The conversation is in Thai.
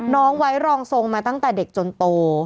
ไว้รองทรงมาตั้งแต่เด็กจนโต